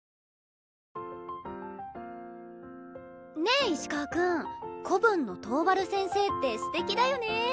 ねえ石川君古文の桃原先生ってすてきだよね。